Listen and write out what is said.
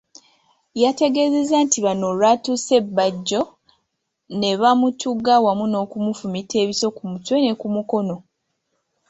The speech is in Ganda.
Yategeezezza nti bano olwatuuse e Bajjo ne bamutuga wamu n'okumufumita ebiso ku mutwe ne kumukono.